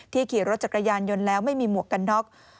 ขี่รถจักรยานยนต์แล้วไม่มีหมวกกันน็อก